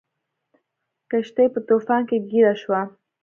کښتۍ په طوفان کې ګیره شوه.